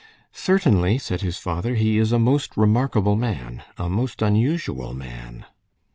"Certainly," said his father, "he is a most remarkable man. A most unusual man."